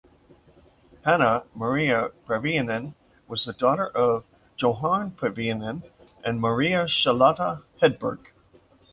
Hanna Maria Parviainen was the daughter of Johan Parviainen and Maria Charlotta Hedberg.